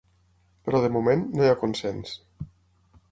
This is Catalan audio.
Però, de moment, no hi ha consens.